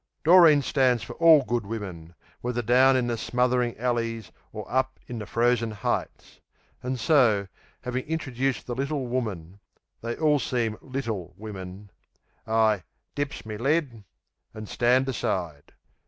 Doreen stands for all good women, whether down in the smothering alleys or up in the frozen heights. And so, having introduced the little woman (they all seem "little" women), I "dips me lid" and stand aside.